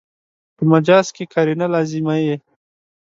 په مجاز کښي قرینه لازمي يي.